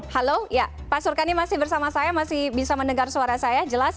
halo ya pak surkani masih bersama saya masih bisa mendengar suara saya jelas